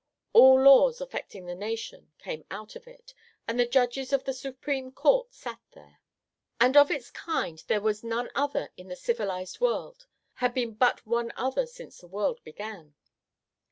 All laws affecting the nation came out of it, and the Judges of the Supreme Court sat there. And of its kind there was none other in the civilized world, had been but one other since the world began.